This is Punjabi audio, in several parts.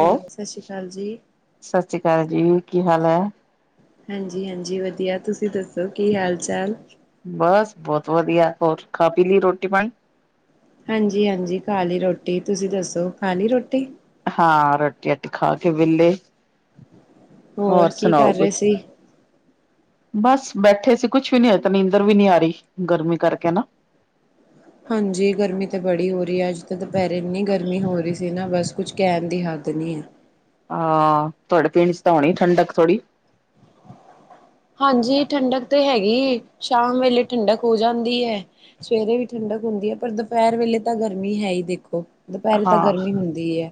ਹੈਲੋ। ਸਤਿ ਸ਼੍ਰੀ ਅਕਾਲ ਜੀ। ਸਤਿ ਸ੍ਰੀ ਅਕਾਲ ਜੀ ਕੀ ਹਾਲ ਹੈ? ਹਾਂਜੀ -ਹਾਂਜੀ, ਵਧੀਆ ਤੁਸੀਂ ਦੱਸੋ ਕੀ ਹਾਲ ਚਾਲ? ਬਸ ਬਹੁਤ ਵਧੀਆ ਹੋਰ ਖਾ ਪੀ ਲਈ ਰੋਟੀ ਪਾਣੀ ਹਾਂਜੀ- ਹਾਂਜੀ ਖਾਲੀ ਰੋਟੀ ਤੁਸੀਂ ਦੱਸੋ ਖਾਲੀ ਰੋਟੀ। ਹਾਂ ਰੋਟੀ- ਰਾਟੀ ਖਾ ਕੇ ਵਿਹਲੇ ਹੋਰ ਕੀ ਸੁਣਾਓ ਕਰ ਰਹੇ ਕੁਛ। ਸੀ ਬਸ ਬੈਠੇ ਸੀ ਕੁਛ ਵੀ ਨੀ ਹਜੇ ਤਾ ਨੀਂਦਰ ਵੀ ਨੀ ਆ ਰਹੀ ਗਰਮੀ ਕਰਕੇ ਨਾ। ਹਾਂਜੀ ਗਰਮੀ ਤਾਂ ਬੜੀ ਹੋ ਰਹੀ ਹੈ। ਅੱਜ ਤਾਂ ਦੁਪਹਿਰੇ ਇੰਨੀ ਗਰਮੀ ਹੋ ਰਹੀ ਸੀ ਨਾ ਬਸ ਕੁਝ ਕਹਿਣ ਦੀ ਹੱਦ ਨਹੀਂ ਹੈ। ਹਾਂ ਤੁਹਾਡੇ ਪਿੰਡ ਚ ਤਾਂ ਹੋਣੀ ਠੰਡਕ ਥੋੜ੍ਹੀ ਹਾਂਜੀ ਠੰਡਕ ਤਾਂ ਹੈਗੀ, ਸ਼ਾਮ ਵੇਲੇ ਠੰਡਕ ਹੋ ਜਾਂਦੀ ਹੈ। ਸਵੇਰੇ ਵੀ ਠੰਡਕ ਹੁੰਦੀ ਹੈ ਪਰ ਦੁਪਹਿਰ ਵੇਲੇ ਤਾਂ ਗਰਮੀ ਹੈ ਹੀ ਦੇਖੋ। ਦੁਪਹਿਰੇ ਤਾਂ ਹਾਂ ਗਰਮੀ ਹੁੰਦੀ ਹੈ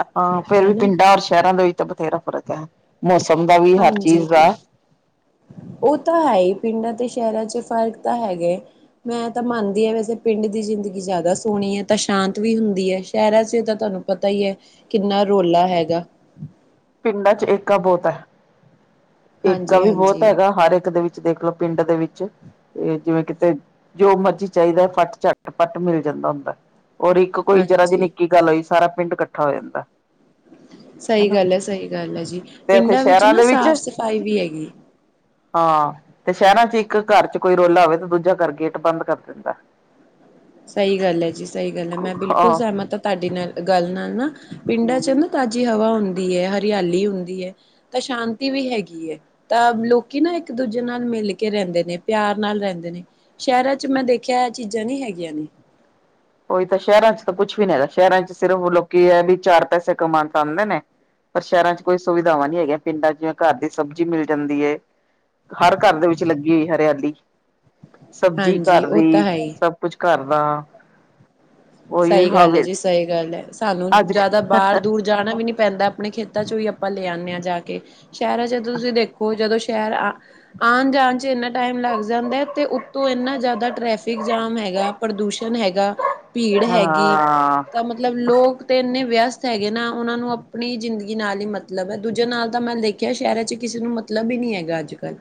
-ਹਾਂ ਫੇਰ ਵੀ ਹਨਾ ਪਿੰਡਾਂ ਔਰ ਸ਼ਹਿਰਾਂ ਦੇ ਵਿੱਚ ਤਾਂ ਬਥੇਰਾ ਫ਼ਰਕ ਹੈ। ਮੌਸਮ ਦਾ ਵੀਰ ਹਾਂਜੀ। ਉਹ ਤਾਂ ਹੈ ਹੀ ਪਿੰਡਾਂ ਤੇ ਸ਼ਹਿਰਾਂ ਚ ਫ਼ਰਕ ਤਾਂ ਹੈਗੇ। ਮੈਂ ਤਾਂ ਮੰਨਦੀ ਹਾਂ ਵੈਸੇ ਪਿੰਡ ਦੀ ਜ਼ਿੰਦਗੀ ਜ਼ਿਆਦਾ ਸੋਹਣੀ ਹੈ ਤਾਂ ਸ਼ਾਂਤ ਵੀ ਹੁੰਦੀ ਹੈ ਸ਼ਹਿਰਾਂ ਚ ਤਾਂ ਤੁਹਾਨੂੰ ਪਤਾ ਹੀ ਹੈ ਕਿੰਨਾ ਰੌਲਾ ਹੈਗਾ ਪਿੰਡਾਂ ਚ ਏਕਾ ਬਹੁਤ ਹੈ। ਏਕਾ ਹਾਂਜੀ ਵੀ ਬਹੁਤ ਹਾਂਜੀ ਹੈਗਾ ਹਰ ਇੱਕ ਦੇ ਵਿੱਚ ਦੇਖ ਲਓ ਪਿੰਡ ਦੇ ਵਿੱਚ। ਤੇ ਜਿਵੇਂ ਕਿਤੇ ਜੋ ਮਰਜੀ ਚਾਹੀਦਾ ਫੱਟ, ਝੱਟ, ਪੱਟ ਮਿਲ ਜਾਂਦਾ ਹੁੰਦਾ। ਔਰ ਇੱਕ ਕੋਈ ਜਰਾ ਜੀ ਹਾਂਜੀ ਨਿੱਕੀ ਗੱਲ ਹੋਈ ਸਾਰਾ ਪਿੰਡ ਇਕੱਠਾ ਹੋ ਜਾਂਦਾ। [inaudible] ਸਹੀ ਹਨਾ ਗੱਲ ਹੈ -ਸਹੀ ਗੱਲ ਹੈ ਜੀ ਤੇ ਇੱਥੇ ਪਿੰਡਾਂ ਵਿੱਚ ਸ਼ਹਿਰਾਂ ਨਾ ਦੇ ਸਾਫ਼ ਸਫ਼ਾਈ ਵੀ ਹੈਗੀ। ਹਾਂ ਤੇ ਸ਼ਹਿਰਾਂ ਚ ਇੱਕ ਘਰ ਚ ਕੋਈ ਰੋਲਾ ਹੋਵੇ ਤੇ ਦੂਜਾ ਘਰ ਗੇਟ ਬੰਦ ਕਰ ਦਿੰਦਾ। [inaudible] ਸਹੀ ਗੱਲ ਹੈ ਜੀ -ਸਹੀ ਗੱਲ ਹੈ ਮੈਂ ਬਿਲਕੁੱਲ ਹਾਂ ਸਹਿਮਤ ਹਾਂ ਤੁਹਾਡੇ ਨਾਲ ਗੱਲ ਨਾਲ ਨਾ ਪਿੰਡਾਂ ਚ ਹੂੰ ਤਾਜ਼ੀ ਹਵਾ ਹੁੰਦੀ ਹੈ ਹਰਿਆਲੀ ਹੁੰਦੀ ਹੈ ਤਾਂ ਸ਼ਾਂਤੀ ਵੀ ਹੈਗੀ ਹੈ। ਤਾਂ ਲੋਕੀ ਨਾ ਇੱਕ ਦੂਜੇ ਨਾਲ ਮਿਲ ਕੇ ਰਹਿੰਦੇ ਨੇ ਪਿਆਰ ਨਾਲ ਰਹਿੰਦੇ ਨੇ। ਸ਼ਹਿਰਾਂ ਚ ਮੈਂ ਦੇਖਿਆ ਇਹ ਚੀਜ਼ਾਂ ਨਹੀਂ ਹੈਗੀਆਂ ਨੇ। ਉਹੀ ਤਾਂ ਸ਼ਹਿਰਾਂ ਚ ਤਾਂ ਕੁੱਛ ਵੀ ਨੀ ਰੱਖਿਆ ਹੈਗਾ, ਸ਼ਹਿਰਾਂ ਚ ਸਿਰਫ ਲੋਕੀ ਹੈ ਵੀ ਚਾਰ ਪੈਸੇ ਕਮਾਉਂਦੇ ਨੇ। ਪਰ ਸ਼ਹਿਰਾਂ ਕੋਈ ਸੁਵਿਧਾਵਾਂ ਨੀ ਹੈਗੀਆਂ, ਪਿੰਡਾਂ ਚ ਜਿਵੇਂ ਘਰ ਦੀ ਸਬਜ਼ੀ ਮਿਲ ਜਾਂਦੀ ਹੈ। ਹਰ ਘਰ ਦੇ ਵਿੱਚ ਲੱਗੀ ਹੋਈ ਹਰਿਆਲੀ, ਸਬਜ਼ੀ ਹਾਂਜੀ ਘਰ ਉਹ ਤਾਂ ਦੀ ਹੈ ਹੀ ਸਭ ਕੁਝ ਘਰ ਦਾ। ਉਹੀ ਸਹੀ ਗੱਲ ਹੈ ਹਵੇ ਜੀ, ਸਹੀ ਗੱਲ ਹੈ ਸਾਨੂੰ ਅੱਜ ਜ਼ਿਆਦਾ ਬਾਹਰ ਦੂਰ ਜਾਣਾ ਵੀ ਨੀ ਪੈਂਦਾ, ਆਪਣੇ ਖੇਤਾਂ ਚੋਂ ਵੀ ਆਪਾਂ ਲੈ ਆਉਂਦੇ ਹਾਂ ਜਾ ਕੇ, ਸ਼ਹਿਰਾਂ ਚ ਜਦੋਂ ਤੁਸੀਂ ਦੇਖੋ ਜਦੋਂ ਸ਼ਹਿਰ ਆ ਆਉਣ ਜਾਣ 'ਚ ਇੰਨਾ ਟਾਈਮ ਲੱਗ ਜਾਂਦਾ, ਅਤੇ ਉੱਤੋਂ ਇੰਨਾ ਜ਼ਿਆਦਾ ਟਰੈਫਿਕ ਜਾਮ ਹੈਗਾ। ਪ੍ਰਦੂਸ਼ਣ ਹੈਗਾ, ਭੀੜ ਕਰੇਗੀ, ਹਾਂ ਮਤਲਬ ਲੋਕ ਤੇ ਇੰਨੇ ਵਿਅਸਤ ਹੈਗੇ ਨਾ, ਉਹਨਾਂ ਨੂੰ ਆਪਣੀ ਜ਼ਿੰਦਗੀ ਨਾਲ ਹੀ ਮਤਲਬ ਹੈ, ਦੂਜੇ ਨਾਲ ਤਾਂ ਮੈਂ ਦੇਖਿਆ ਸ਼ਹਿਰਾਂ 'ਚ ਕਿਸੇ ਨੂੰ ਮ ਤਲਬ ਵੀ ਨਹੀਂ ਹੈਗਾ, ਅੱਜ -ਕੱਲ।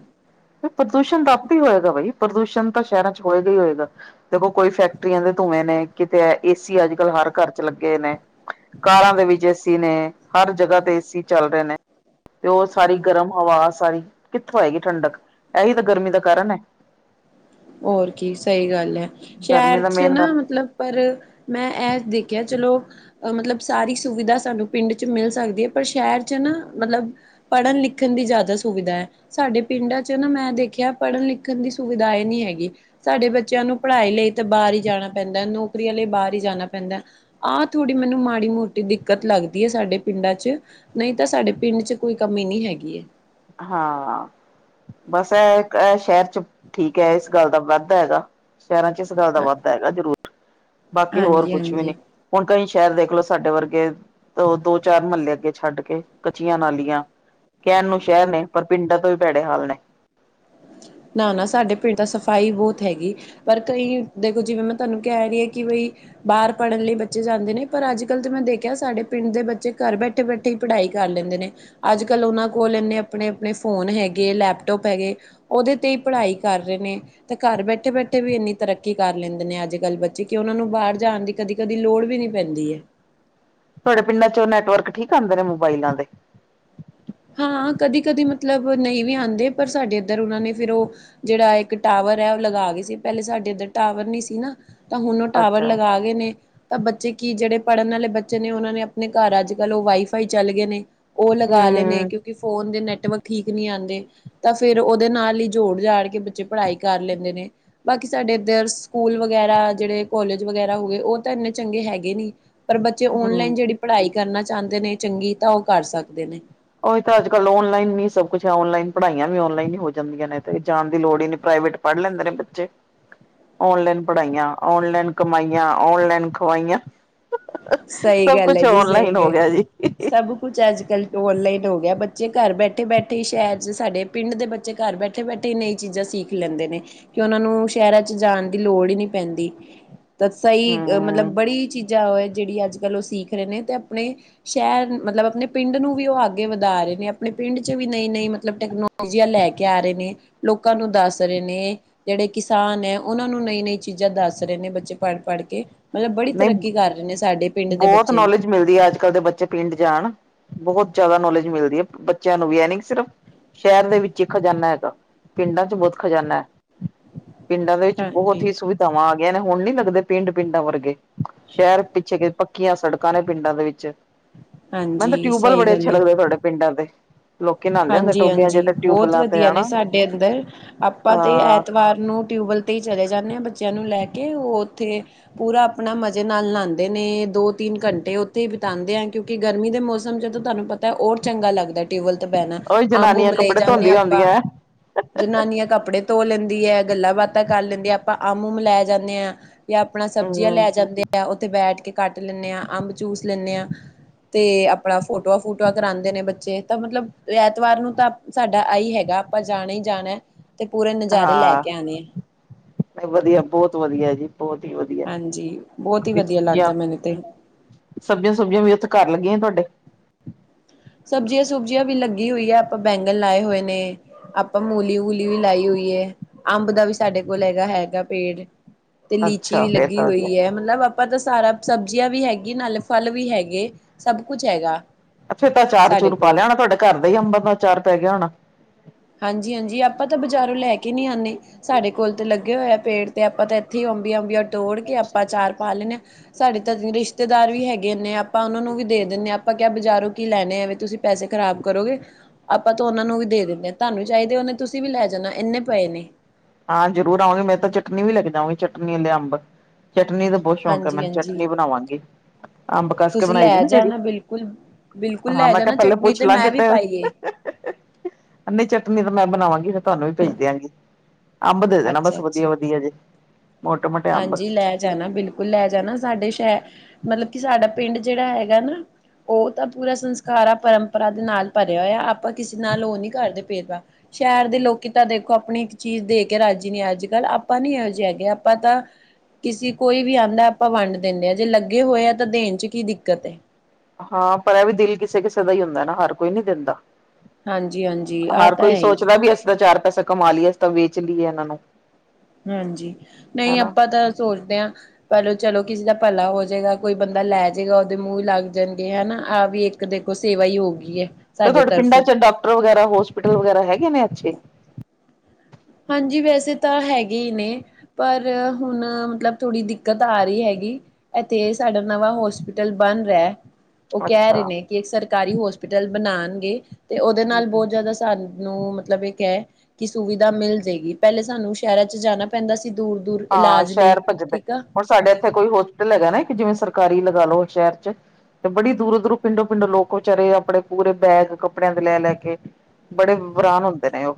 ਤੇ ਪ੍ਰਦੂਸ਼ਣ ਤਾਂ ਆਪ ਹੀ ਹੋਏਗਾ ਬਾਈ, ਪ੍ਰਦੂਸ਼ਣ ਤਾਂ ਸ਼ਹਿਰਾਂ 'ਚ ਹੋਏਗਾ ਹੀ ਹੋਏਗਾ। ਦੇਖੋ ਕੋਈ ਫੈਕਟਰੀਆਂ ਦੇ ਧੂੰਏਂ ਨੇ, ਕਿਤੇ ਏਸੀ ਅੱਜ -ਕੱਲ ਹਰ ਘਰ 'ਚ ਲੱਗੇ ਨੇ। ਕਾਰਾਂ ਦੇ ਵਿੱਚ ਏ ਸੀ ਨੇ, ਹਰ ਜਗ੍ਹਾ ਤੇ ਏ ਸੀ ਚੱਲ ਰਹੇ ਨੇ। ਤੇ ਉਹ ਸਾਰੀ ਗਰਮ ਹਵਾ ਸਾਰੀ, ਕਿੱਥੋਂ ਆਏਗੀ ਠੰਡਕ ਇਹੀ ਤਾਂ ਗਰਮੀ ਦਾ ਕਾਰਨ ਐ। ਓਰ ਕੀ ਸਹੀ ਗੱਲ ਹੈ, ਗਰਮੀ ਸ਼ਹਿਰ ਦਾ 'ਚ ਮੇਨ ਨਾ ਕਾਰਨ ਮਤਲਬ ਪਰ, ਮੈਂ ਇਹ ਦੇਖਿਆ ਚਲੋ। ੳਹ ਮਤਲਬ ਸਾਰੀ ਸੁਵਿਧਾ ਸਾਨੂੰ ਪਿੰਡ 'ਚ ਮਿਲ ਸਕਦੀ ਐ, ਪਰ ਸ਼ਹਿਰ 'ਚ ਨਾ ਮਤਲਬ ਪੜਨ -ਲਿਖਣ ਦੀ ਜ਼ਿਆਦਾ ਸੁਵਿਧਾ ਐ। ਸਾਡੇ ਪਿੰਡਾਂ 'ਚ ਨਾ ਮੈਂ ਦੇਖਿਆ, ਪੜ੍ਹਨ ਲਿਖਣ ਦੀ ਸੁਵਿਧਾਇਆ ਨਹੀਂ ਹੈਗੀ। ਹੈਗੀ, ਸਾਡੇ ਬੱਚਿਆਂ ਨੂੰ ਪੜ੍ਹਾਈ ਲਈ ਤਾਂ ਬਾਹਰ ਹੀ ਜਾਣਾ ਪੈਂਦਾ, ਨੌਕਰੀਆਂ ਲਈ ਬਾਹਰ ਹੀ ਜਾਣਾ ਪੈਂਦਾ। ਆਹ ਥੋੜ੍ਹੀ ਮੈਨੂੰ ਮਾੜੀ -ਮੋਟੀ ਦਿੱਕਤ ਲੱਗਦੀ ਹੈ, ਸਾਡੇ ਪਿੰਡਾਂ 'ਚ। ਨਹੀਂ, ਤਾਂ ਸਾਡੇ ਪਿੰਡ 'ਚ ਕੋਈ ਕਮੀ ਨਹੀਂ ਹੈਗੀ ਹੈ। ਹਾਂ, ਬਸ ਇਹ ਸ਼ਹਿਰ'ਚ ਠੀਕ ਹੈ, ਇਸ ਗੱਲ ਦਾ ਵੱਧਦਾ ਹੈਗਾ। ਸ਼ਹਿਰਾਂ 'ਚ ਇਸ ਗੱਲ ਦਾ ਹੈ ਵੱਧ ਹੈਗਾ ਜ਼ਰੂਰ। ਬਾਕੀ ਹੋਰ ਹਾਂਜੀ ਕੁਛ ਵੀ ਹਾਂਜੀ ਨੀ, ਹੁਣ ਕਈ ਸ਼ਹਿਰ ਦੇਖਲੋ ਸਾਡੇ ਵਰਗੇ ਉਹ ਦੋ ਚਾਰ- ਮਹੱਲੇ ਅੱਗੇ ਛੱਡ ਕੇ, ਕਚੀਆਂ ਨਾਲੀਆਂ, ਕਹਿਣ ਨੂੰ ਸ਼ਹਿਰ ਨੇ, ਪਰ ਪਿੰਡਾਂ ਤੋਂ ਵੀ ਭੈੜੇ ਹਾਲ ਨੇ। ਨਾ- ਨਾ, ਸਾਡੇ ਪਿੰਡ ਤਾਂ ਸਫ਼ਾਈ ਬਹੁਤ ਹੈਗੀ। ਪਰ ਕਈ, ਦੇਖੋ ਜਿਵੇਂ ਮੈਂ ਤੁਹਾਨੂੰ ਕਹਿ ਰਹੀ ਹਾਂ ਕਿ ਬਈ ਬਾਹਰ ਪੜ੍ਹਨ ਲਈ ਬੱਚੇ ਜਾਂਦੇ ਨੇ, ਪਰ ਅੱਜ -ਕੱਲ੍ਹ ਤਾਂ ਮੈਂ ਦੇਖਿਆ ਸਾਡੇ ਪਿੰਡ ਦੇ ਬੱਚੇ ਘਰ ਬੈਠੇ ਘਰ ਬੈਠੇ ਹੀ ਪੜ੍ਹਾਈ ਕਰ ਲੈਂਦੇ ਨੇ। ਅੱਜ -ਕੱਲ੍ਹ ਉਹਨਾਂ ਕੋਲ ਇੰਨੇ ਆਪਣੇ -ਆਪਣੇ ਫੋਨ ਹੈਗੇ, ਲੈਪਟੋਪ ਹੈਗੇ। ਉਹਦੇ 'ਤੇ ਹੀ ਪੜ੍ਹਾਈ ਕਰ ਰਹੇ ਨੇ। ਤੇ ਘਰ ਬੈਠੇ -ਬੈਠੇ ਵੀ ਇੰਨੀ ਤਰੱਕੀ ਕਰ ਲੈਂਦੇ ਨੇ, ਅੱਜ- ਕੱਲ੍ਹ ਬੱਚੇ ਕਿ ਉਹਨਾਂ ਨੂੰ ਬਾਹਰ ਜਾਣ ਦੀ ਕਦੀ- ਕਦੀ ਲੋੜ ਵੀ ਨੀ ਪੈਂਦੀ ਹੈ। ਤੁਹਾਡੇ ਪਿੰਡਾਂ 'ਚੋਂ, ਨੈਟਵਰਕ ਠੀਕ ਆਉਂਦੇ ਮੋਬਾਇਲਾਂ ਦੇ? ਹਾਂ, ਕਦੀ -ਕਦੀ ਮਤਲਬ ਨਹੀਂ ਵੀ ਆਉਂਦੇ, ਪਰ ਸਾਡੇ ਇੱਧਰ ਉਹਨਾਂ ਨੇ ਫਿਰ ਉਹ ਜਿਹੜਾ ਇੱਕ ਟਾਵਰ ਹੈ, ਉਹ ਲਗਾ ਗਏ ਸੀ, ਪਹਿਲੇ ਸਾਡੇ ਇੱਧਰ ਟਾਵਰ ਨੀ ਸੀ ਨਾ। ਤਾਂ, ਹੁਣ ਉਹ ਟਾਵਰ ਅੱਛਾ ਲਗਾ ਗਏ ਨੇ। ਤਾਂ ਬੱਚੇ ਕੀ ਜਿਹੜੇ ਪੜ੍ਹਨ ਵਾਲੇ ਬੱਚੇ ਨੇ, ਉਹਨਾਂ ਨੇ ਆਪਣੇ ਘਰ ਅੱਜ -ਕੱਲ੍ਹ ਉਹ ਵਾਈਫਾਈ ਚੱਲ ਗਏ ਨੇ। ਉਹ ਲਗਾ ਲੈਣੇ, ਹਮ ਕਿਉਂਕਿ ਫੋਨ ਦੇ ਨੈਟਵਰਕ ਠੀਕ ਨਹੀਂ ਆਂਦੇ। ਤਾਂ ਫੇਰ ਉਹਦੇ ਨਾਲ ਹੀ ਜੋੜ- ਜਾੜ ਕੇ ਬੱਚੇ ਪੜ੍ਹਾਈ ਕਰ ਲੈਂਦੇ ਨੇ। ਬਾਕੀ ਸਾਡੇ ਇੱਧਰ ਸਕੂਲ ਵਗੈਰਾ ਜਿਹੜੇ, ਕੋਲਜ ਵਗੈਰਾ ਹੋ ਗਏ, ਉਹ ਤਾਂ ਇੰਨੇ ਚੰਗੇ ਹੈਗੇ ਨੀ। ਪਰ ਬੱਚੇ ਹਮ ਔਨਲਾਈਨ ਜਿਹੜੀ ਪੜ੍ਹਾਈ ਕਰਨਾ ਚਾਹੁੰਦੇ ਨੇ, ਚੰਗੀ ਤਾਂ ਉਹ ਕਰ ਸਕਦੇ ਨੇ। ਉਹੀ ਤਾਂ ਅੱਜ- ਕੱਲ ਔਨਲਾਈਨ ਹੀ ਸਭ ਕੁਛ। ਔਨਲਾਈਨ ਪੜ੍ਹਾਈਆਂ ਵੀ, ਔਨਲਾਈਨ ਹੀ ਹੋ ਜਾਂਦੀਆਂ ਨੇ, ਤੇ ਜਾਣ ਦੀ ਲੋੜ ਹੀ ਨਹੀਂ, ਪ੍ਰਾਈਵੇਟ ਪੜ੍ਹ ਲੈਂਦੇ ਨੇ ਬੱਚੇ। ਔਨਲਾਈਨ ਪੜ੍ਹਾਈਆਂ, ਔਨਲਾਈਨ ਕਮਾਈਆਂ, ਔਨਲਾਈਨ ਖਵਾਈਆਂ। [unintelligible] ਸਹੀ ਸਭ ਗੱਲ ਹੈ ਕੁਛ ਜੀ ਸਹੀ ਔਨਲਾਈਨ ਹੋ ਗ ਗਿਆ ਜੀ। ਸਭ ਕੁਛ ਅੱਜ -ਕੱਲ੍ਹ ਔਨਲਾਈਨ ਹੋ ਗਿਆ, ਬੱਚੇ ਘਰ ਬੈਠੇ- ਬੈਠੇ ਸ਼ਹਿਰ 'ਚ ਸਾਡੇ ਪਿੰਡ ਦੇ ਬੱ ਚੇ ਘਰ ਬੈਠੇ- ਬੈਠੇ ਨਈਂ ਚੀਜ਼ਾਂ ਸਿੱਖ ਲੈਂਦੇ ਨੇ। ਕਿ ਉਹਨਾਂ ਨੂੰ, ਸ਼ਹਿਰਾਂ 'ਚ ਜਾਣ ਦੀ ਲੋੜ ਹੀ ਨਹੀਂ ਪੈਂਦੀ। ਤਾਂ ਸਹੀ, ਮਤਲਬ ਹਮ ਬੜੀ ਚੀਜ਼ਾਂ ਉਹ ਜਿਹੜੀ ਅੱਜ- ਕੱਲ੍ਹ ਉਹ ਸਿੱਖ ਰਹੇ ਨੇ ਤੇ ਆਪਣੇ ਸ਼ਹਿਰ ਮਤਲਬ ਆਪਣੇ ਪਿੰਡ ਨੂੰ ਵੀ ਉਹ ਅੱਗੇ ਵਧਾ ਰਹੇ ਨੇ, ਆਪਣੇ ਪਿੰਡ 'ਚ ਵੀ ਨਈ ਨ ਮਤਲਬ ਟੈਕਨ ਟੈਕਨੋਲੋਜੀਆ ਲੈ ਕੇ ਆ ਰਹੇ ਨੇ, ਲੋਕਾਂ ਨੂੰ ਦੱਸ ਰਹੇ ਨੇ। ਜਿਹੜੇ ਕਿਸਾਨ ਐ, ਉਹਨਾਂ ਨੂੰ ਨਈ- ਨਈ ਚੀਜ਼ਾਂ ਦੱਸ ਰਹੇ ਨੇ, ਬੱਚੇ ਪੜ੍ਹ ਪੜ੍ਹ ਕੇ। ਮਤਲਬ ਬੜੀ ਨਹੀਂ ਤਰੱਕੀ ਕਰ ਰਹੇ ਨੇ ਸਾਡੇ ਪਿੰਡ ਦੇ ਬਹੁਤ ਬੱਚੇ ਵੀ ਨੌਲੇਜ ਜੀ ਮਿਲਦੀ ਆ ਅੱਜ ਕੱਲ੍ਹ ਦੇ ਬੱਚੇ ਪਿੰਡ ਜਾਣ, ਬਹੁਤ ਜ਼ਿਆਦਾ ਨੌਲੇਜ ਮਿਲਦੀ ਆ, ਬੱਚਿਆਂ ਨੂੰ ਵੀ ਇਹ ਨੀ ਕੀ ਸਿਰਫ ਸ਼ਹਿਰ ਦੇ ਵਿੱਚ ਹੀ ਖਜ਼ਾਨਾ ਹੈਗਾ, ਪਿੰਡਾਂ 'ਚ ਬਹੁਤ ਖਜ਼ਾਨਾ ਪਿੰਡਾਂ ਦੇ ਵਿੱਚ ਬਹੁਤ ਹਾਂਜੀ ਹੀ ਸੁਵਿਧਾਵਾਂ ਆ ਗਈਆਂ ਨੇ, ਹੁਣ ਨੀ ਲੱਗਦੇ ਪਿੰਡ, ਪਿੰਡਾਂ ਵਰਗੇ। ਸ਼ਹਿਰ ਪਿੱਛੇ ਗਏ, ਪੱਕੀਆਂ ਸੜਕਾਂ ਨੇ ਪਿੰਡਾਂ ਦੇ ਵਿੱਚ ਮੈਨੂੰ ਤੇ ਹਾਂਜੀ ਟਿਊਬਵੈਲ ਸਹੀ ਬੜੇ ਅੱਛੇ ਲੱਗਦੇ, ਤੁਹਾਡੇ ਪਿੰਡਾਂ ਦੇ ਲੋਕੀ ਨਹਾਉਂਦੇ ਹੁੰਦੇ ਹਾਂਜੀ- ਟੋਬਿਆਂ ਚ ਹਾਂਜੀ, ਤੇ ਬਹੁਤ ਟਿਊਬਵੈਲਾਂ ਤੇ ਵਧੀਆ ਨੇ ਹਨਾ ਸਾਡੇ ਅੰਦਰ, ਆਪਾਂ ਤੇ ਅਹ ਐਤਵਾਰ ਨੂੰ ਟਿਊਬਵੈੱਲ ਤੇ ਹੀ ਚਲੇ ਜਾਂਨੇ ਆ ਬੱਚਿਆਂ ਨੂੰ ਲੈ ਕੇ ਉਹ ਉੱਥੇ ਪੂਰਾ ਆਪਣਾ ਮਜ਼ੇ ਨਾਲ ਨਹਾਉਂਦੇ ਨੇ, ਦੋ ਤਿੰਨ ਘੰਟੇ ਉੱਥੇ ਬਿਤਾਉਂਦੇ ਆ। ਕਿ ਗਰਮੀ ਦੇ ਮੌਸਮ ਜਦੋਂ ਤੁਹਾਨੂੰ ਪਤਾ, ਹੋਰ ਚੰਗਾ ਲੱਗਦਾ ਟਿਊਬਵੈੱਲ। ਪੈਣਾ, ਉਹੀ ਜਨਾਨੀਆਂ ਅੰਬ-ਅੰਬ ਲੈ ਕੱਪੜੇ ਜਾਂਦੇ ਹਾਂ ਧੋਂਦੀਆਂ ਆਪਾਂ। ਹੁੰਦੀਆਂ ਹਮ ਜਨਾਨੀਆਂ ਕੱਪੜੇ ਧੋ ਲੈਂਦੀ ਹੈ, ਗੱਲਾਂ ਬਾਤਾਂ ਕਰ ਲੈਂਦੀ ਆ, ਆਪਾਂ ਆਮ- ਉਮ ਲੈ ਜਾਂਨੇ ਆ। ਜਾਂ ਆਪਣਾ ਸਬਜ਼ੀਆਂ ਲੈ ਜਾਂਦੇ ਆ, ਉੱਥੇ ਬੈਠ ਕੇ ਕੱਟ ਲੈਂਦੇ ਹਾਂ, ਅੰਬਚੂਸ ਲੈਂਦੇ ਆ। ਤੇ ਆਪਣਾ ਫੋਟੋਆਂ- ਫੂਟੂਆਂ ਕਰਉਂਦੇ ਨੇ ਬੱਚੇ, ਤਾਂ ਮਤਲਬ। ਐਤਵਾਰ ਨੂੰ ਤਾਂ ਸਾਡਾ ਆਈ ਹੈਗਾ, ਆਪਾਂ ਜਾਣਾ ਹੀ ਜਾਣਾ। ਤੇ ਪੂਰੇ ਨਜ਼ਾਰੇ ਲੈ ਹਾਂ, ਕੇ ਆਣੇ ਆ ਵਧੀਆ ਬਹੁਤ ਵਧੀਆ ਜੀ। ਬਹੁਤ ਹੀ ਵਧੀਆ ਹਾਂਜੀ ਬਹੁਤ ਹੀ ਵਧੀਆ ਲੱਗਦਾ [unintelligible] ਮੈਨੂੰ ਤੇ ਸਬਜ਼ੀਆਂ- ਸੁਬਜੀਆਂ ਵੀ ਉੱਥੇ ਕਰ ਲੱਗੀਆਂ ਤੁਹਾਡੇ। ਸਬਜ਼ੀਆਂ- ਸੁਬਜ਼ੀਆਂ ਵੀ ਲੱਗੀ ਹੋਈ ਆ, ਆਪਾਂ ਬੈਂਗਣ ਲਾਏ ਹੋਏ ਨੇ। ਆਪਾਂ ਮੂਲੀ- ਮੂਲੀ ਵੀ ਲਾਈ ਹੋਈਏ, ਅੰਬ ਦਾ ਵੀ ਸਾਡੇ ਕੋਲ ਹੈਗਾ, ਹੈਗਾ ਪੇੜ। ਤੇ ਲੀਚੀ ਅੱਛਾ ਵੀ ਫੇਰ ਲੱਗੀ ਤਾਂ ਵਧੀਆ ਹੋਈ ਏ, ਮਤਲਬ ਆਪਾਂ ਤਾਂ ਸਾਰਾ ਸਬਜ਼ੀਆਂ ਵੀ ਹੈਗੀ, ਨਾਲੇ ਫਲ ਵੀ ਹੈਗੇ, ਸਭ ਹੈਗਾ। ਫੇਰ ਤਾਂ ਚਾਰ- ਸਾਡੇ ਚੁਰ ਪਾ ਕੋਲ ਲਿਆ ਹੋਣਾ, ਤੁਹਾਡੇ ਘਰ ਦਾ ਹੀ ਅੰਬਾਂ ਦਾ ਚਾਰ ਪੈ ਗਿਆ ਹੋਣਾ। ਹਾਂਜੀ- ਹਾਂਜੀ, ਆਪਾਂ ਤਾਂ ਬਜ਼ਾਰੋਂ ਲੈ ਕੇ ਨਹੀਂ ਆਉਂਦੇ। ਸਾਡੇ ਕੋਲ ਤੇ ਲੱਗੇ ਹੋਏ ਪੇੜ, ਤੇ ਆਪਾਂ ਤਾਂ ਇੱਥੇ ਹੀ ਅੰਬੀਆ ਅੰਬੀਆ ਤੋੜ ਕੇ ਆਪਾਂ ਚਾਰ ਪਾ ਲੈਂਦੇ ਹਾਂ, ਸਾਡੇ ਤਾ ਰਿਸ਼ਤੇ ਰਿਸ਼ਤੇਦਾਰ ਵੀ ਹੈਗੇ ਨੇ, ਆਪਾਂ ਉਹਨਾਂ ਨੂੰ ਵੀ ਦੇ ਦਿੰਦੇ ਹਾਂ, ਆਪਾਂ ਕ ਬਾਜ਼ਾਰੋਂ ਕੀ ਲੈਣੇ ਆ, ਤੁਸੀਂ ਪੈਸੇ ਖ਼ਰਾਬ ਕਰੋਗੇ। ਆਪਾਂ ਤਾਂ ਉਹਨਾਂ ਨੂੰ ਵੀ ਦੇ ਦਿੰਦੇ ਹਾਂ, ਤੁਹਾਨੂੰ ਵੀ ਚਾਹੀਦੇ ਨੇ ਤੁਸੀਂ ਵੀ ਲੈ ਜਾਣਾ, ਇੰਨੇ ਪਏ ਨੇ। ਹਾਂ ਜ਼ਰੂਰ ਆਉਂਗੀ ਮੈ ਤਾਂ ਚਟਨੀ ਵੀ ਲੈੰਕੇ ਜਾਵਾਂਗੀ, ਚਟਨੀ ਵਾਲੇ ਅੰਬ। ਚਟਨੀ ਦਾ ਬਹੁਤ ਸ਼ੌਕ ਆ ਮੈਨੂੰ, ਹਾਂਜੀ-ਹਾਂਜੀ ਚਟਨੀ ਬਣਾਵਾਂਗੀ, ਅੰਬ ਕਸ ਕੇ ਤੁਸੀਂ ਬਣਾਈ ਦੀ ਲੈ ਨਾ ਜਿਹੜੀ। ਜਾਣਾ ਬਿਲਕੁਲ ਬਿਲਕੁਲ ਹਾਂ ਲੈ ਮੈਂ ਕਿਹਾ ਜਾਣਾ ਪਹਿਲੇ ਚਟਨੀ ਪੁੱਛ ਤੇ ਲਾਂ ਮੈਂ ਵੀ ਕਿਤੇ ਪਾਈ ਏ [unintelligible] ਨਹੀਂ ਚਟਨੀ ਤਾਂ ਮੈਂ ਬਣਾਵਾਂਗੀ, ਤੁਹਾਨੂੰ ਵੀ ਭੇਜ ਦਿਆਂਗੀ। ਅੰਬ ਦੇ ਦੇਣਾ ਬਸ ਵਧੀਆ- ਅੱਛਾ-ਅੱਛਾ ਵਧੀਆ ਜੇ। ਮੋਟੇ ਮੋਟੇ ਅੰਬ ਹਾਂਜੀ ਲੈ ਜਾਣਾ, ਬਿਲਕੁਲ ਲੈ ਜਾਣਾ, ਸਾਡੇ ਸ਼ਹਿ ਮਤਲਬ ਕਿ ਸਾਡਾ ਪਿੰਡ, ਜਿਹੜਾ ਹੈਗਾ ਨਾ। ਉਹ ਤਾਂ ਪੂਰਾ ਸੰਸਕਾਰ ਆ, ਪਰੰਪਰਾ ਦੇ ਨਾਲ, ਭਰਿਆ ਹੋਇਆ, ਆਪਾਂ ਕਿਸੇ ਨਾਲ ਉਹ ਨਹੀਂ ਕਰਦੇ ਭੇਦ- ਭਾਵ। ਸ਼ਹਿਰ ਦੇ ਲੋਕੀ ਤਾਂ ਦੇਖੋ, ਆਪਣੀ ਇੱਕ ਚੀਜ਼ ਦੇ ਕੇ ਰਾਜੀ ਨੇ ਅੱਜ ਕੱਲ, ਆਪਾਂ ਨੀ ਇਹੋ ਜਿਹਾ ਹੈਗੇ। ਪਤਾ। ਕਿਸੇ ਕੋਈ ਵੀ ਆਉਂਦਾ ਆਪਾਂ ਵੰਡ ਦਿੰਦੇ ਹਾਂ, ਜੇ ਲੱਗੇ ਹੋਏ ਆ ਤਾਂ ਦੇਣ 'ਚ ਕੀ ਦਿੱਕਤ ਐ। ਹਾਂ ਪਰ ਇਹ ਵੀ ਦਿਲ ਕਿਸੇ- ਕਿਸੇ ਦਾ ਹੀ ਹੁੰਦਾ ਨਾ, ਹਰ ਕੋਈ ਨੀ ਦਿੰਦਾ। ਹਾਂਜੀ ਹਾਂਜੀ ਆਹ ਹਰ ਤਾਂ ਕੋਈ ਹੈ ਹੀ ਸੋਚਦਾ ਵੀ ਅਸੀਂ ਤਾਂ ਚਾਰ ਪੈਸਾ ਕਮਾ ਲਈਏ, ਅਸੀਂ ਤਾਂ ਵੇਚ ਲਈਏ ਇਹਨਾਂ ਨੂੰ। ਹਾਂਜੀ, ਨਹੀਂ ਹਨਾ ਆਪਾਂ ਤਾਂ ਸੋਚਦੇ ਆ। ਪਹਿਲੋ ਚਲੋ ਕਿਸੇ ਦਾ ਭਲਾ ਹੋ ਜਾਏਗਾ, ਕੋਈ ਬੰਦਾ ਲੈ ਜਾਏਗਾ, ਉਹਦੇ ਮੂੰਹ ਹੀ ਲੱਗ ਜਾਣਗੇ ਹਨਾ, ਆਹ ਵੀ ਇੱਕ ਦੇਖੋ ਸੇਵਾ ਹੀ ਹੋ ਗਈ ਐ। ਤੇ ਤੁਹਾਡੇ ਪਿੰਡਾਂ ਚ ਡਾਕਟਰ ਵਗੈਰਾ, ਹੋਸਪੀਟਲ ਵਗੈਰਾ, ਹੈਗੇ ਨੇ ਅੱਛੇ। ਹਾਂਜੀ, ਵੈਸੇ ਤਾਂ ਹੈਗੇ ਹੀ ਨੇ। ਪਰ ਹੁਣ, ਮਤਲਬ ਥੋੜ੍ਹੀ ਦਿੱਕਤ ਆ ਰਹੀ ਹੈਗੀ। ਇੱਥੇ ਸਾਡਾ ਨਵਾਂ ਹੋਸਪਿਟਲ ਬਣ ਰਿਹਾ। ਉਹ ਕਹਿ ਅੱਛਾ ਰਹੇ ਨੇ ਕਿ ਇੱਕ ਸਰਕਾਰੀ ਹੋਸਪੀਟਲ ਬਣਾਉਣਗੇ, ਤੇ ਉਹਦੇ ਨਾਲ ਬਹੁਤ ਜ਼ਿਆਦਾ ਸਾਨੂੰ ਨੂੰ ਮਤਲਬ ਇਹ ਕ ਹੈ ਕਿ ਸੁਵਿਧਾ ਮਿਲ ਜਾਏਗੀ, ਪਹਿਲੇ ਸਾਨੂੰ ਸ਼ਹਿਰਾਂ ਚ ਜਾਣਾ ਪੈਂਦਾ ਸੀ, ਦੂਰ। ਦੂਰ ਹਾਂ ਇਲਾਜ ਲਈ, ਸ਼ਹਿਰ ਭੱਜਦੇ ਠੀਕ ਆ। ਹੁਣ ਸਾਡੇ ਇੱਥੇ ਕੋਈ ਹੋਸਪਿਟਲ ਹੈਗਾ ਨਾ ਇੱਕ, ਜਿਵੇਂ ਸਰਕਾਰੀ ਲਗਾ ਲਓ ਸ਼ਹਿਰ 'ਚ। ਤੇ ਬੜੀ ਦੂਰੋ-ਦੂਰੋ, ਪਿੰਡੋ-ਪਿੰਡੋ ਲੋਕ ਵਿਚਾਰੇ ਆਪਣੇ ਪੂਰੇ ਬੈਗ ਕੱਪੜਿਆਂ ਦੇ ਲੈ-ਲੈ ਕੇ ਬੜੇ ਵਰਾਨ ਹੁੰਦੇ ਨੇ ਉਹ।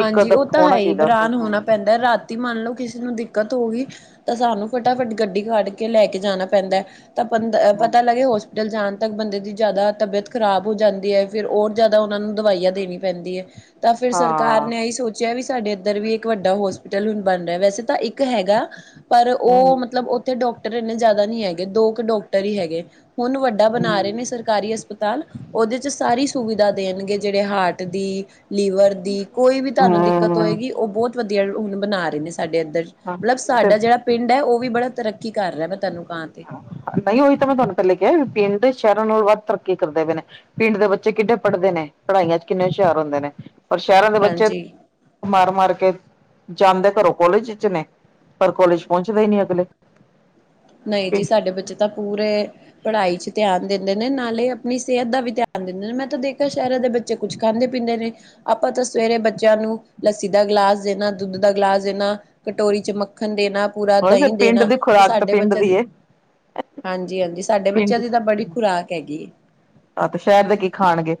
ਇੱਕ ਹਾਂਜੀ, ਅਦਬ ਉਹ ਤਾਂ ਹੈ ਹੋਣਾ ਹੀ ਚਾਹੀਦਾ ਉੱਥੇ ਬਰਾਨ ਹਾਂ ਹੋਣਾ ਪੈਂਦਾ, ਰਾਤ ਤੀ ਮੰਨ ਲਓ, ਕਿਸੇ ਨੂੰ ਦਿੱਕਤ ਹੋ ਗਈ, ਤਾਂ ਸਾਨੂੰ ਫਟਾਫਟ ਗੱਡੀ ਕੱਢ ਕੇ ਲੈ ਕੇ ਜਾਣਾ ਪੈਂਦਾ। ਤਾਂ ਬੰਦ ਹਮ ਪਤਾ ਲੱਗੇ ਹੋਸ ਪੀਟਲ ਜਾਾਣ ਤੱਕ ਬੰਦੇ ਦੀ ਜ਼ਿਆਦਾ ਤਬੀਅਤ ਖ਼ਰਾਬ ਹੋ ਜਾਂਦੀ ਹੈ, ਫਿਰ ਹੋਰ ਜ਼ਿਆਦਾ ਉਹਨਾਂ ਨੂੰ ਦਵਾਈਆਂ ਦੇਣੀ ਪੈਂਦੀ ਹੈ। ਤਾਂ ਫਿਰ ਸਰ ਮੈਂ ਸੋਚਿਆ ਵੀ ਸਾਡੇ ਇੱਧਰ ਵੀ ਇੱਕ ਵੱਡਾ ਹੋਸਪਿਟਲ ਹੁਣ ਬਣ ਰਿਹਾ, ਵੈਸੇ ਤਾਂ ਇੱਕ ਹੈਗਾ। ਪਰ ਉਹ ਹਮ ਮਤਲਬ ਉੱਥੇ ਡਾਕਟਰ ਇੰਨੇ ਜ਼ਿਆਦਾ ਨਹੀਂ ਹੈਗੇ, ਦੋ ਕੁ ਡਾਕਟਰ ਹੀ ਹੈਗੇ। ਹੁਣ ਵੱਡੇ ਬਣਾ ਰਹੇ ਨੇ ਹਮ ਸਰਕਾਰੀ ਹਸਪਤਾਲ। ਉਹਦੇ ਚ ਸਾਰੀ ਸੁਵਿਧਾ ਦੇਣਗੇ, ਜਿਹੜੇ ਹਾਰਟ ਦੀ ਲੀਵਰ ਦੀ, ਕੋਈ ਵੀ ਤੁਹਾਨੂੰ ਦਿੱਕਤ ਹੋਏਗੀ। ਉਹ ਬਹੁਤ ਵਧੀਆ ਹੁਣ ਬਣਾ ਰਹੇ ਨੇ ਸਾਡੇ ਇੱਧਰ। ਹਮ ਮਤਲਬ ਤੇ ਸਾਡਾ ਜਿਹੜਾ ਪਿੰਡ ਹੈ। ਉਹ ਵੀ ਬੜਾ ਤਰੱਕੀ ਕਰ ਰਿਹਾ, ਮੈਂ ਤੁਹਾਨੂੰ ਕਹਾਂ ਤੇ। ਨਹੀਂ ਉਹੀ ਤਾਂ ਮੈਂ ਤੁਹਾਨੂੰ ਪਹਿਲੇ ਕਿਹਾ, ਪਿੰਡ ਤੇ ਸ਼ਹਿਰਾਂ ਨਾਲੋ ਵੱਧ ਤਰੱਕੀ ਕਰਦੇ ਪਏ ਨੇ। ਪਿੰਡ ਦੇ ਬੱਚੇ ਕਿੱਡੇ ਪੜ੍ਹਦੇ ਨੇ, ਪੜ੍ਹਾਈਆਂ ਚ ਕਿੰਨੇ ਹੁਸ਼ਿਆਰ ਹੁੰਦੇ ਨੇ। ਔਰ ਸ਼ਹਿਰਾਂ ਦੇ ਬੱਚੇ, ਹਾਂਜੀ ਮਾਰ-ਮਾਰ ਕੇ, ਜਾਂਦੇ ਘਰੋਂ ਕੋਲਜ 'ਚ 'ਚ ਨੇ, ਪਰ ਕੋਲਜ ਪਹੁੰਚਦੇ ਨੀ ਪਹਲੇ। ਨਹੀਂ ਜੀ, ਸਾਡੇ ਬੱਚੇ ਤਾਂ ਪੂਰੇ ਪੜ੍ਹਾਈ ਚ ਧਿਆਨ ਦਿੰਦੇ ਨੇ, ਨਾਲੇ ਆਪਣੀ ਸਿਹਤ ਦਾ ਵੀ ਧਿਆਨ ਦਿੰਦੇ ਨੇ, ਮੈਂ ਤਾਂ ਦੇਖਾਂ ਸ਼ਹਿਰਾਂ ਦੇ ਬੱਚੇ ਬੱਚੇ ਕੁੱਝ ਖਾਂਦੇ, ਪੀਂਦੇ ਨੇ? ਆਪਾਂ ਤਾਂ ਸਵੇਰੇ ਬੱਚਿਆਂ ਨੂੰ ਲੱਸੀ ਦਾ ਗਿਲਾਸ ਦੇਣਾ, ਦੁੱਧ ਦਾ ਗਿਲਾਸ ਦੇਣਾ, ਕਟੋਰੀ 'ਚ ਮੱ ਮੱਖਣ ਦੇਣਾ, ਪੂਰਾ ਹੋਰ ਦਹੀਂ ਫਿਰ ਪਿੰਡ ਦੇਣਾ, ਦੀ ਤੇ ਖੁਰਾਕ ਤਾਂ ਸਾਡੇ ਬੇ ਪਿੰਡ ਦੀ ਏ ਹਾਂਜੀ-ਹਾਂਜੀ, ਸਾਡੇ ਬੱਚਿਆਂ ਪਿੰਡ ਦੀ ਤਾਂ ਬੜੀ ਖੁਰਾਕ ਹੈਗੀ ਏ। ਆਹ ਤੇ ਸ਼ਹਿਰ ਦੇ ਕੀ ਖਾਣਗੇ?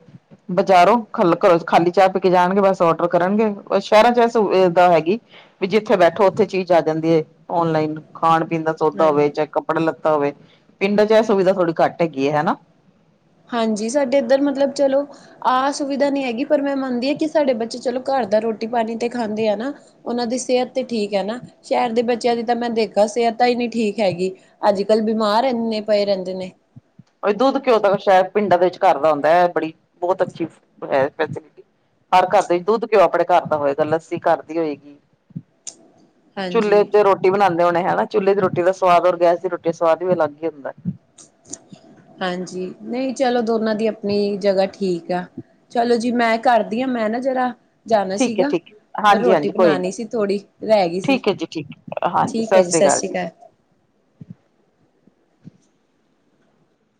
ਬਜ਼ਾਰੋ ਖੱਲਕ ਖਾਲੀ ਚਾਹ ਪੀ ਕੇ ਜਾਣਗੇ, ਬਸ ਔਡਰ ਕਰਨਗੇ, ਸ਼ਹਿਰਾਂ ਚ ਇਹ ਸਹੂਲਤ ਹੈਗੀ। ਵੀ ਜਿੱਥੇ ਬੈਠੋ, ਉੱਥੇ ਚੀਜ਼ ਆ ਜਾਂਦੀ ਹੈ, ਔਨਲਾਈਨ ਖਾਣ, ਪੀਣ ਦਾ ਸੌਦਾ ਹੋਵੇ, ਹਾਂਜੀ। ਚਾਹੇ ਕੱਪ ਕੱੜ ਲੇਤਾ ਹੋਵੇ, ਪਿੰਡਾਂ ਚ ਇਹ ਸੁਵਿਧਾ ਥੋੜ੍ਹੀ ਘੱਟ ਹੈਗੀ ਹੈ, ਹਨਾ। ਹਾਂਜੀ, ਸਾਡੇ ਇੱਧਰ ਮਤਲਬ ਚਲੋ ਆਹ ਸੁਵਿਧਾ ਨਹੀਂ ਹੈਗੀ ਪਰ ਮੈਂ ਮੰਨਦੀ ਹਾਂ। ਕਿ ਸਾਡੇ ਬੱਚੇ ਚਲੋ ਘਰ ਦਾ ਰੋਟੀ, ਪਾਣੀ ਤੇ ਖਾਂਦੇ ਆ ਨਾ ਉਹਨਾਂ ਦੀ ਸਿਹਤ ਤੇ ਠੀਕ ਹੈ ਨਾ, ਸ਼ਹਿਰ ਦੇ ਬੱਚਿਆਂ ਦੀ ਤਾਂ ਮੈਂ ਦੇਖਾਂ ਸਿਹਤ ਤਾਂ ਹੀ ਠੀਕ ਹੈਗੀ ਅੱਜ, ਕੱਲ ਬਿਮਾਰ ਇੰਨੇ ਪਏ ਰਹਿੰਦੇ ਨੇ। ਉਏ, ਦੁੱਧ, ਘਿਉ ਅਗਰ ਸਾਇਦ ਪਿੰਡਾਂ ਦੇ ਵਿੱਚ ਘਰ ਦਾ ਹੁੰਦਾ। ਬੜੀ ਬਹੁਤ ਅੱਛੀ ਹਰ ਘਰ ਦੇ ਵਿੱਚ ਦੁੱਧ, ਘਿਉ ਆਪਣੇ ਘਰ ਦਾ ਹੋਏਗਾ, ਲੱਸੀ ਘਰ ਦੀ ਹੋਏਗੀ। ਚੁੱਲ੍ਹੇ ਹਾਂਜੀ ਤੇ ਰੋਟੀ ਬਣਾਉਂਦੇ ਹੋਣੇ ਹਨਾ, ਚੁੱਲ੍ਹੇ ਦੀ ਰੋਟੀ ਦਾ ਸਵਾਦ ਔਰ, ਗੈਸ ਦੀ ਰੋਟੀ ਦਾ ਸਵਾਦ ਵੀ ਅਲੱਗ ਹੀ ਹੁੰਦਾ। ਹਾਂਜੀ, ਨਹੀਂ ਚਲੋ ਦੋਨਾਂ ਦੀ ਆਪਣੀ ਜਗ੍ਹਾ ਠੀਕ ਆ। ਚਲੋ ਜੀ, ਮੈਂ ਕਰਦੀ ਹਾਂ ਮੈਂ ਨਾ ਜ਼ਰਾ ਜਾਣਾ ਠੀਕ ਹੈ ਸੀਗਾ ਠੀਕ ਹੈ ਮੈਂ ਹਾਂਜੀ ਰੋਟੀ ਹਾਂਜੀ ਕੋਈ ਨੀ ਬਣਾਣੀ ਸੀ, ਥੋੜ੍ਹੀ ਰਹਿ ਗਈ ਸੀ। ਠੀਕ ਹੈ ਜੀ ਠੀਕ ਹਾਂਜੀ ਠੀਕ ਸਤਿ ਹੈ ਜੀ ਸ੍ਰੀ ਅਕਾਲ ਸ਼ਸ਼ੀਕਾਲ।